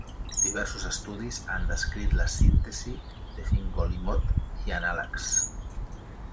Diversos estudis han descrit la síntesi de fingolimod i anàlegs.